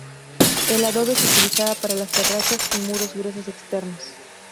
El adobe se utilizaba para las terrazas y muros gruesos externos.